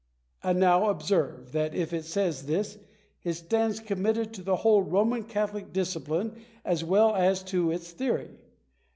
And now observe, that if it says this, it stands committed to the whole Roman Catholic discipline as well as to its theory.